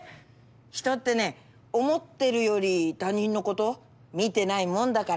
人ってね思ってるより他人のこと見てないもんだから。